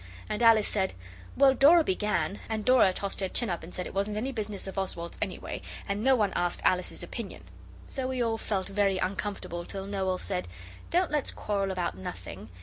And Alice said, 'Well, Dora began' And Dora tossed her chin up and said it wasn't any business of Oswald's any way, and no one asked Alice's opinion. So we all felt very uncomfortable till Noel said, 'Don't let's quarrel about nothing.